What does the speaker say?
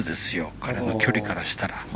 彼の距離からしたら。